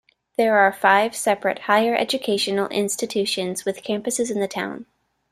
There are five separate higher educational institutions with campuses in the town.